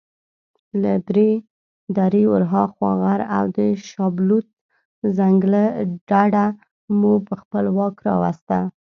له درې ورهاخوا غر او د شابلوط ځنګله ډډه مو په خپل واک راوسته.